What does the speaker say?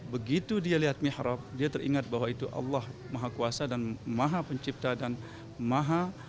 begitu dia lihat mihrab dia teringat bahwa itu allah maha kuasa dan maha pencipta dan maha